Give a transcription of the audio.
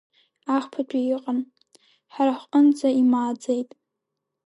Ахԥатәи ыҟан, ҳара хҳҟынӡа имааӡеит.